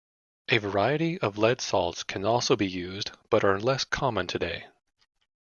A variety of lead salts can also be used, but are less common today.